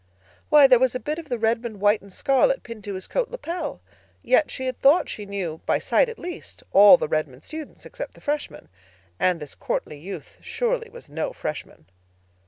Why, there was a bit of the Redmond white and scarlet pinned to his coat lapel. Yet she had thought she knew, by sight at least, all the Redmond students except the Freshmen. And this courtly youth surely was no Freshman.